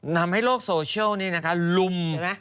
ทำให้โลกโซเชียลนี้นะคะลุม